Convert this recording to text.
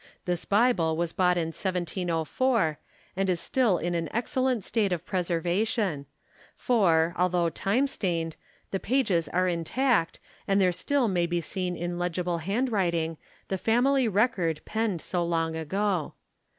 This Bible was bought in 1704 and is still in an excellent state of preservation, for, although time stained, the pages are intact and there still may be seen in legible handwriting the family record penned so long ago.